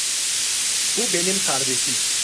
Bu benim kardeşim.